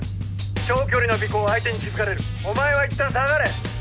長距離の尾行は相手に気付かれるお前はいったん下がれ。